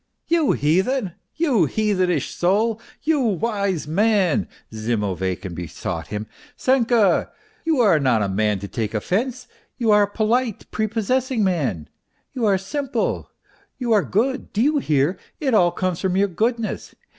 " You heathen, you heathenish soul, you wise man !" Zimovey kin besought him. " Senka, you are not a man to take offence, you are a polite, prepossessing man. You are simple, you are good ... do you hear ? It all comes from your goodness.